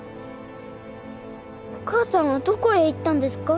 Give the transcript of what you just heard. お母さんはどこへ行ったんですか？